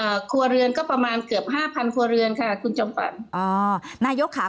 ครัวเรือนก็ประมาณเกือบห้าพันครัวเรือนค่ะคุณจอมฝันอ่านายกค่ะ